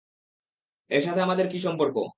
এর সাথে আমাদের কী সম্পর্ক?